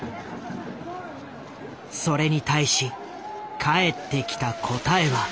それに対し返ってきた答えは。